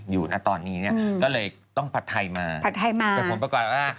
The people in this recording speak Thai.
อยู่ณตอนนี้เนี่ยก็เลยต้องผัดไทยมาเผ็ดผลปากก่อนว่า